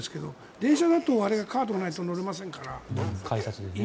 電車はカードがないと乗れませんから。